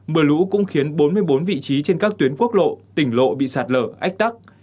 mưa lũ cũng khiến bốn mươi bốn vị trí trên các tuyến quốc lộ tỉnh lộ bị sạt lở ách tắc